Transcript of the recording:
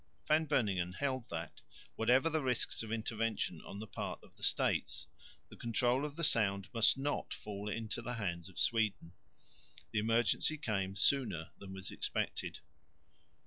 Van Beuningen held that, whatever the risks of intervention on the part of the States, the control of the Sound must not fall into the hands of Sweden. The emergency came sooner than was expected.